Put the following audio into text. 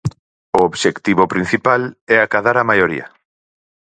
O obxectivo principal é acadar a maioría.